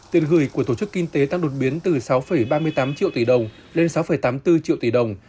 tiền gửi của tổ chức kinh tế tăng đột biến từ sáu ba mươi tám triệu tỷ đồng lên sáu tám mươi bốn triệu tỷ đồng